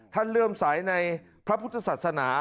อ๋อท่านเริ่มสายในพระพุทธศาสนา